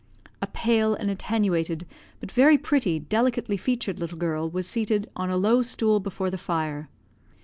A pale and attenuated, but very pretty, delicately featured little girl was seated on a low stool before the fire.